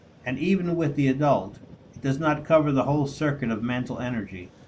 And even with the adult, it does not cover the whole circuit of mental energy.